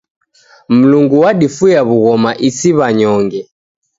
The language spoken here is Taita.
Mlungu wadifuya w'ughoma isi w'anyonge.